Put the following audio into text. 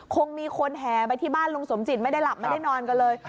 คงมีคนแห่ไปที่บ้านลุงสมจิตไม่ได้หลับไม่ได้นอนกันเลย